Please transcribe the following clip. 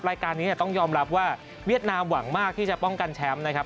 รายการนี้ต้องยอมรับว่าเวียดนามหวังมากที่จะป้องกันแชมป์นะครับ